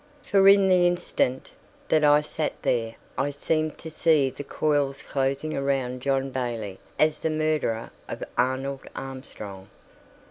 For in the instant that I sat there I seemed to see the coils closing around John Bailey as the murderer of Arnold Armstrong.